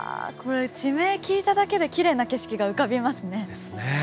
これ地名聞いただけできれいな景色が浮かびますね。ですね。